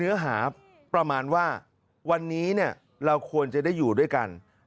เนื้อหาประมาณว่าวันนี้เราควรจะได้อยู่ด้วยกัน